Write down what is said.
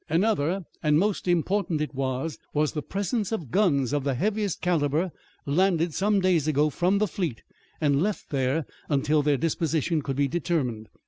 Another, and most important it was, was the presence of guns of the heaviest calibre landed some days ago from the fleet, and left there until their disposition could be determined.